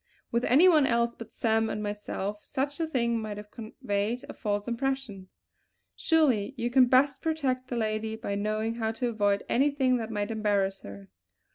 With any one else but Sam and myself such a thing might have conveyed a false impression. Surely you can best protect the lady by knowing how to avoid anything that might embarrass her!"